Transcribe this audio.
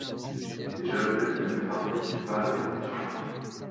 Déjà l'Hôtel de Ville n'appartenait-il pas à la Révolution?